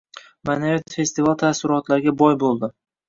Ma’naviyat festivali taassurotlarga boy bo‘ldi